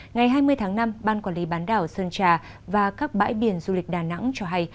ngày hai mươi tháng năm ban quản lý bán đảo sơn trà và các bãi biển du lịch đà nẵng cho hay